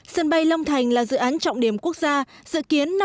sân bay long thành là dự án trọng điểm quốc gia dự kiến năm hai nghìn hai mươi